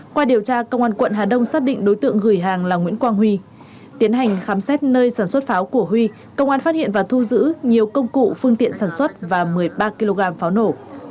qua điều tra công an quận hà đông xác định đối tượng gửi hàng là nguyễn quang huy tiến hành khám xét nơi sản xuất pháo của huy công an phát hiện và thu giữ nhiều công cụ phương tiện sản xuất và một mươi ba kg pháo nổ